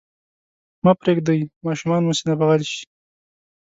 مه پرېږدئ ماشومان مو سینه بغل شي.